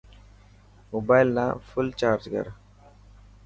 موبال نا ڦل چارج ڪر.